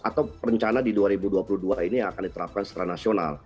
atau rencana di dua ribu dua puluh dua ini yang akan diterapkan secara nasional